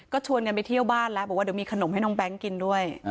ก็ชวนกันไปเที่ยวบ้านแล้วบอกว่าเดี๋ยวมีขนมให้น้องแบงค์กินด้วย